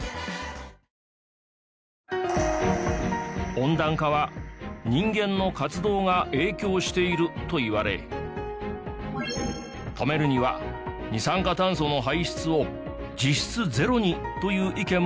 温暖化は人間の活動が影響しているといわれ止めるには二酸化炭素の排出を実質ゼロにという意見もありますが。